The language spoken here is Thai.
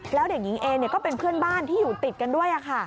แล้วเด็กหญิงเอก็เป็นเพื่อนบ้านที่อยู่ติดกันด้วย